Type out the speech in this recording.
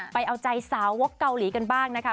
ไปเอาใจสาววกเกาหลีกันบ้างนะคะ